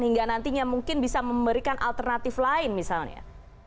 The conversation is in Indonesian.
hingga nantinya mungkin bisa memberikan alternatif lain misalnya